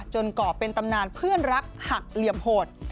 ก่อเป็นตำนานเพื่อนรักหักเหลี่ยมโหด